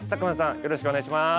よろしくお願いします。